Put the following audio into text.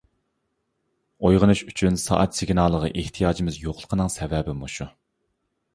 ئويغىنىش ئۈچۈن سائەت سىگنالىغا ئېھتىياجىمىز يوقلۇقىنىڭ سەۋەبى مۇشۇ.